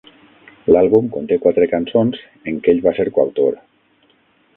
L'àlbum conté quatre cançons en què ell va ser coautor.